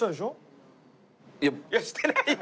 いやしてない！